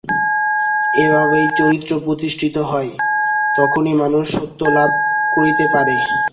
এভাবেই চরিত্র প্রতিষ্ঠিত হয়, তখনই মানুষ সত্য লাভ করিতে পারে।